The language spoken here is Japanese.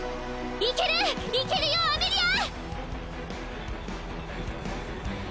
いけるいけるよアメリア！